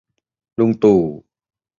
ลุงตู่